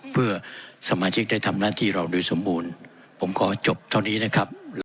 เพื่อสมาชิกได้ทำหน้าที่เราโดยสมบูรณ์ผมขอจบเท่านี้นะครับ